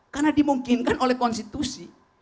karena dimungkinkan oleh konstitusi